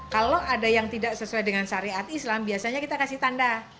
kalau ada yang tidak sesuai dengan syariat islam biasanya kita kasih tanda